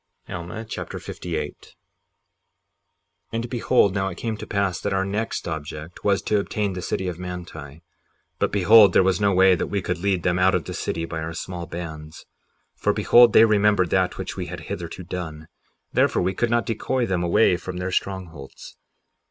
Alma Chapter 58 58:1 And behold, now it came to pass that our next object was to obtain the city of Manti; but behold, there was no way that we could lead them out of the city by our small bands. For behold, they remembered that which we had hitherto done; therefore we could not decoy them away from their strongholds.